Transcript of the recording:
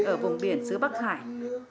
ở vùng biển dưới bắc hải